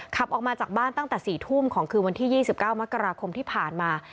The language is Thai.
ขับออกมาจากบ้านตั้งแต่๔ทุ่มของคืนวันที่๒๙มกราคมที่ผ่านมา